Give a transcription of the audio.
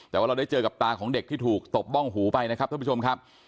แต่ว่าเราได้เจอกับตาของเด็กที่ถูกตบบ้องหูไปนะครับท่านผู้ชมครับ